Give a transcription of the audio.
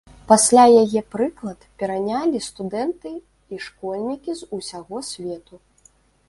Пасля яе прыклад перанялі студэнты і школьнікі з усяго свету.